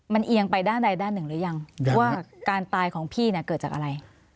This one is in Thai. มันเอียงไปด้านใดด้านหนึ่งหรือยังว่าการตายของพี่เนี่ยเกิดจากอะไร